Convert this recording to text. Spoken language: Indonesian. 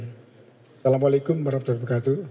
assalamu'alaikum warahmatullahi wabarakatuh